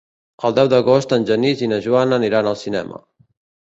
El deu d'agost en Genís i na Joana aniran al cinema.